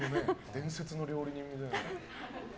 伝説の料理人みたいな。